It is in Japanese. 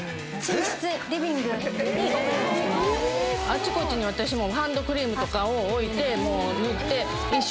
あっちこっちに私もハンドクリームとかを置いて塗って。